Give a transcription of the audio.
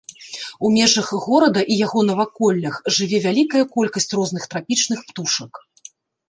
У межах горада і яго наваколлях жыве вялікая колькасць розных трапічных птушак.